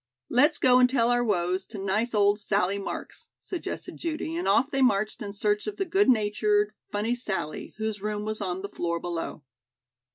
"Let's go and tell our woes to nice old Sally Marks," suggested Judy, and off they marched in search of the good natured funny Sally, whose room was on the floor below.